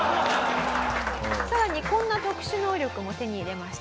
さらにこんな特殊能力も手に入れました。